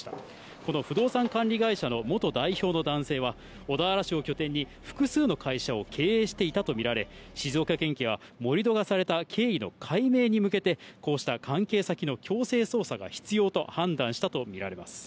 この不動産管理会社の元代表の男性は、小田原市を拠点に複数の会社を経営していたと見られ、静岡県警は盛り土がされた経緯の解明に向けて、こうした関係先の強制捜査が必要と判断したと見られます。